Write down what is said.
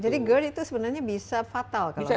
jadi gerd itu sebenarnya bisa fatal kalau tidak